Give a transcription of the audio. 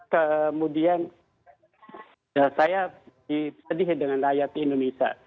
kemudian saya sedih dengan rakyat indonesia